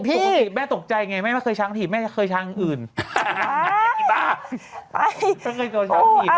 ก็อาจเจ็บนะเธอท้าวช้างตีนช้างตีขีบ